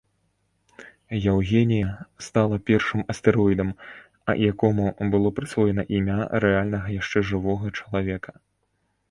Яўгенія стала першым астэроідам, якому было прысвоена імя рэальнага яшчэ жывога чалавека.